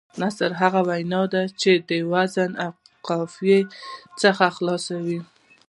نثر هغه وینا ده، چي د وزن او قافيې څخه خلاصه وي.